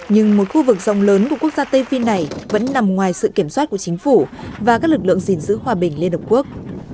nhưng một khu vực rộng lớn của quốc gia tây phi này vẫn nằm ngoài sự kiểm soát của chính phủ và các lực lượng gìn giữ hòa bình liên hợp quốc